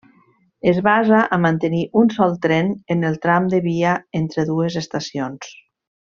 Es basa a mantenir un sol tren en el tram de via entre dues estacions.